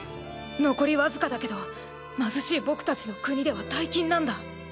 残りわずかだけど貧しい僕たちの国では大金なんだ。